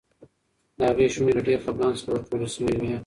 د هغې شونډې له ډېر خپګان څخه ورټولې شوې وې.